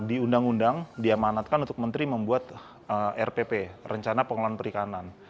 di undang undang diamanatkan untuk menteri membuat rpp rencana pengelolaan perikanan